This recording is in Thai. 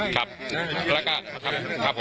ครับครับครับ